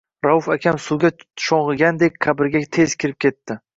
Rauf akam suvga shung’igandek qabrga tez kirib ketdi.